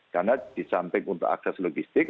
karena disamping untuk akses logistik